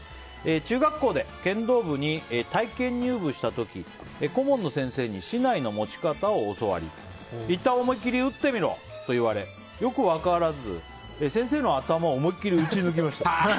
中学校で剣道部に体験入部した時顧問の先生に竹刀の持ち方を教わりいったん思い切り打ってみろと言われよく分からず先生の頭を思いっきり打ち抜きました。